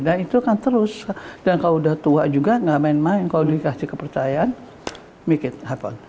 dan itu kan terus dan kau udah tua juga nggak main main kalau dikasih kepercayaan make it happen